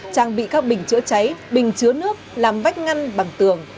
trang bị các bình chữa cháy bình chứa nước làm vách ngăn bằng tường